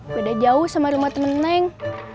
beda jauh sama rumah temen neng